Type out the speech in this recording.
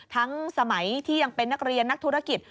สมัยที่ยังเป็นนักเรียนนักธุรกิจ